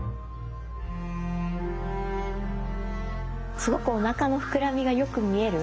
すごくおなかの膨らみがよく見える。